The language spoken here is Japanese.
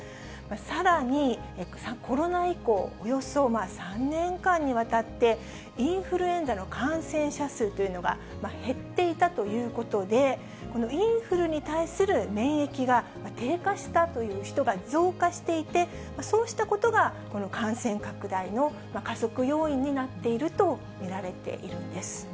さらに、コロナ以降、およそ３年間にわたって、インフルエンザの感染者数というのが減っていたということで、インフルに対する免疫が低下したという人が増加していて、そうしたことが、この感染拡大の加速要因になっていると見られているんです。